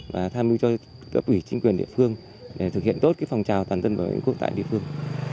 và tham mưu cho cấp ủy chính quyền địa phương để thực hiện tốt phong trào toàn dân bảo vệ tổ quốc tại địa phương